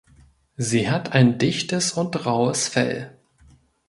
Sie hat ein dichtes und raues Fell.